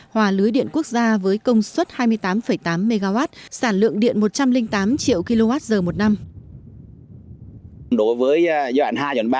hòa lưới điện quốc gia với công suất hai mươi tám tám mw sản lượng điện một trăm linh tám triệu kwh một năm